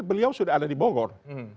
beliau sudah ada di bogor